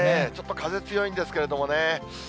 ちょっと風強いんですけれどもね。